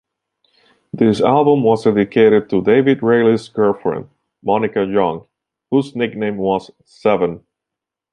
This album was dedicated to David Reilly's girlfriend, Monica Young, whose nickname was Seven.